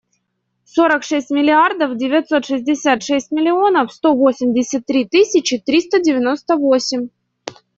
Сорок шесть миллиардов девятьсот шестьдесят шесть миллионов сто восемьдесят три тысячи триста девяносто восемь.